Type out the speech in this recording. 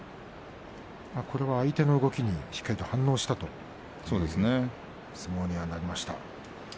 相手の動きにしっかりと反応したという相撲になりました。